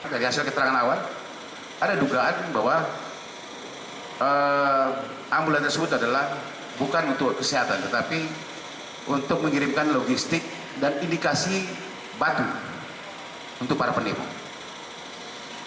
dari hasil keterangan awal ada dugaan bahwa ambulans tersebut adalah bukan untuk kesehatan tetapi untuk mengirimkan logistik dan indikasi batu untuk para penemuan